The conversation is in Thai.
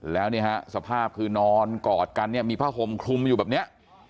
แล้วสภาพคือนอนกอดกันมีผ้าห่มคลุมอยู่แบบนี้